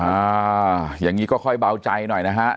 อ่าอย่างนี้ก็ค่อยเบาใจหน่อยนะฮะ